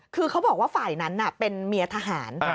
คือเขาบอกว่าฝ่ายนั้นเป็นเมียทหาร